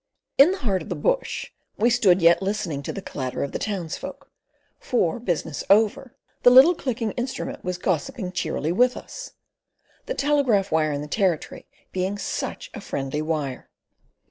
In the heart of the bush we stood yet listening to the clatter of the townsfolk, for, business over, the little clicking instrument was gossiping cheerily with us—the telegraph wire in the Territory being such a friendly wire.